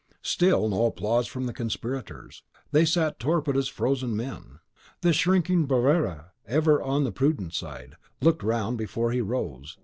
Still no applause from the conspirators; they sat torpid as frozen men. The shrinking Barrere, ever on the prudent side, looked round before he rose.